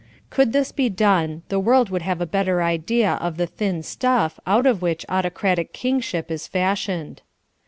Could this be done, the world would have a better idea of the thin stuff out of which autocratic kingship is fashioned.